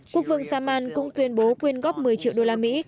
quốc vương saman cũng tuyên bố quyên góp một mươi triệu đô la mỹ